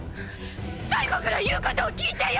最期ぐらい言うことを聞いてよ！